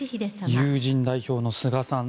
友人代表の菅さん